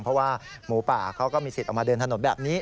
เพราะว่าหมูป่าเขาก็มีสิทธิ์ออกมาเดินถนนแบบนี้